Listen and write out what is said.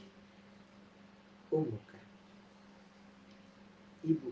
hai umurka hai ibu